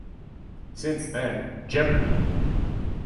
Since then, Jeopardy!